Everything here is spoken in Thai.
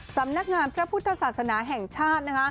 สำนักงานพระพุทธศาสนาแห่งชาติ